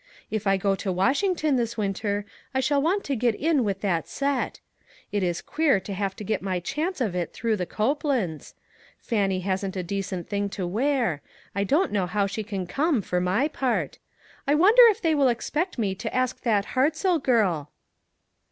If I go to Washington this winter, I shall want to get in with that set. It is queer to have to get my chance of it through the Copelands. Fannie hasn't a decent thing to wear. I don't know how she can come, for my part. I wonder if they will expect me to ask the Hartzell girl?"